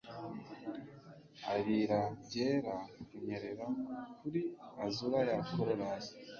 arira byera kunyerera kuri azure ya corollas